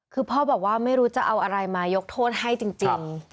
คือพ่อบอกว่าไม่รู้จะเอาอะไรมายกโทษให้จริง